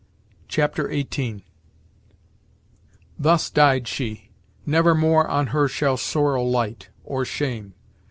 Chapter XVIII "Thus died she; never more on her Shall sorrow light, or shame.